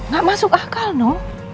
gak masuk akal no